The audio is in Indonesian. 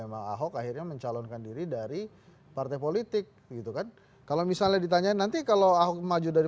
dia menggunakan diri dari partai politik gitu kan kalau misalnya ditanya nanti kalau ahok maju dari